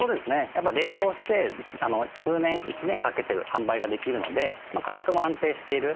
やっぱり冷凍して通年１年かけて販売ができるので価格も安定している。